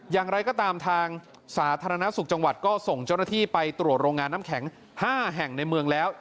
อย่างไรก็ตามทางสาธารณสุขจังหวัดก็ส่งเจ้าหน้าที่ไปตรวจโรงงานน้ำแข็ง๕แห่งในเมืองแล้ว